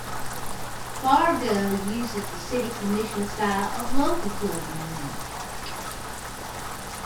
Fargo uses the city commission style of local government.